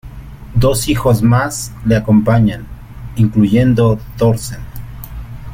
Dos hijos más le acompañan, incluyendo Thorsten.